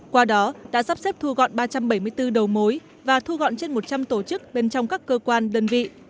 qua đó đã sắp xếp thu gọn ba trăm bảy mươi bốn đầu mối và thu gọn trên một trăm linh tổ chức bên trong các cơ quan đơn vị